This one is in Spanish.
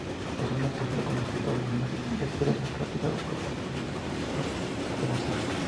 Usualmente surge como resultado de una respiración rápida o profunda, conocida como hiperventilación.